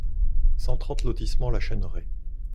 cent trente lotissement la Chêneraie